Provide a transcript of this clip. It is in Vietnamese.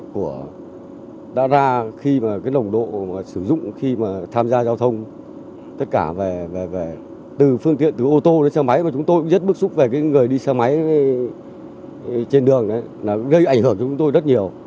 chúng tôi rất bức xúc về người đi xe máy trên đường gây ảnh hưởng cho chúng tôi rất nhiều